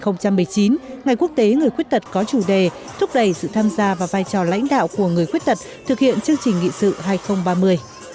năm hai nghìn một mươi chín ngày quốc tế người khuyết tật có chủ đề thúc đẩy sự tham gia và vai trò lãnh đạo của người khuyết tật thực hiện chương trình nghị sự hai nghìn ba mươi